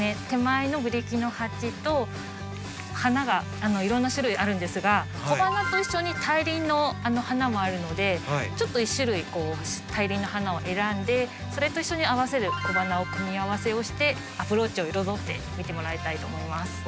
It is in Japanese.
手前のブリキの鉢と花がいろんな種類あるんですが小花と一緒に大輪の花もあるのでちょっと一種類大輪の花を選んでそれと一緒に合わせる小花を組み合わせをしてアプローチを彩ってみてもらいたいと思います。